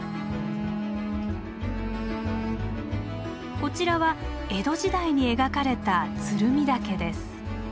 こちらは江戸時代に描かれた鶴見岳です。